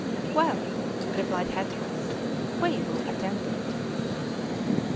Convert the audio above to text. "Well," replied Hatteras, "we will attempt it."